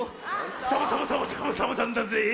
サボサボサボサボサボさんだぜえ！